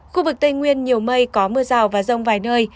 khu vực tây nguyên nhiều mây có mưa rào và rông vài nơi